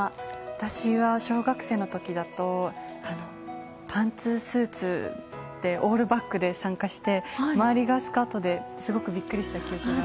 私は小学生の時だとパンツスーツにオールバックで参加して周りがスカートで、すごくびっくりした記憶があります。